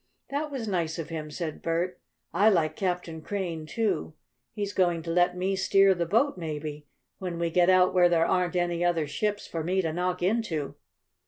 "That was nice of him," said Bert. "I like Captain Crane, too. He's going to let me steer the boat, maybe, when we get out where there aren't any other ships for me to knock into."